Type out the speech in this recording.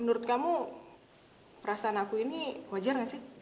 menurut kamu perasaan aku ini wajar gak sih